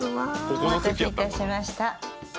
お待たせいたしました。